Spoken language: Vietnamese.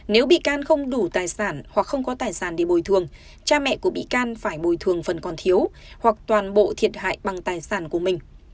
nếu bị can không đủ tài sản hoặc không có tài sản để bồi thường cha mẹ của bị can phải bồi thường phần còn thiếu hoặc toàn bộ thiệt hại bằng tài sản của mình